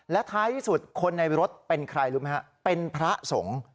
และท้ายที่สุดคนในรถเป็นใครรู้ไหมฮะเป็นพระสงฆ์